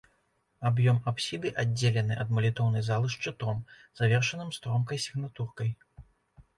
Аб'ём апсіды аддзелены ад малітоўнай залы шчытом, завершаным стромкай сігнатуркай.